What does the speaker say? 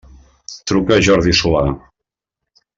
Truca a Jordi Solà.